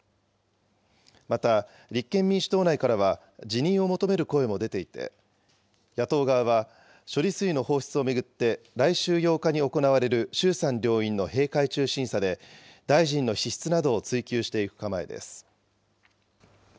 また立憲民主党内からは、辞任を求める声も出ていて、野党側は、処理水の放出を巡って来週８日に行われる衆参両院の閉会中審査で、大臣の資質などを追及していく構えです。